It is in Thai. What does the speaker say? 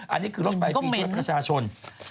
อันนี้คือรถไฟฟรีด้วยประชาชน